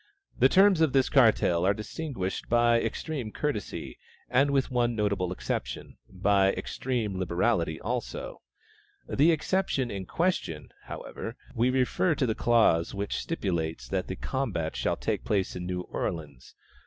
The terms of this cartel are distinguished by extreme courtesy, and with one notable exception, by extreme liberality also. The exception in question, however, (we refer to the clause which stipulates that the combat shall take place in New Orleans!)